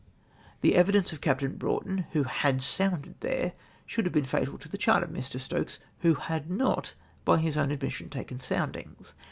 The evidence of Captain Broughton, who had scnmded there, shoidd have been fatal to the chart of Mr. Stokes, wlio had not by his THE IMAGINARY SHOAL. G9 own admission taken soundings.